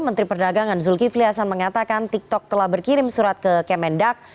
menteri perdagangan zulkifli hasan mengatakan tiktok telah berkirim surat ke kemendak